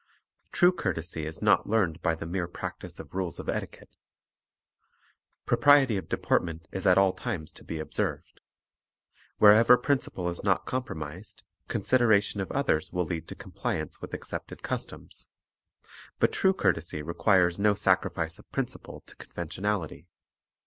True courtesy is not learned by the mere practise of rules of etiquette. Propriety of deportment is at all times to be observed; wherever principle is not compro mised, consideration of others will lead to compliance with accepted customs; but true courtesy requires no sacrifice of principle to conventionality.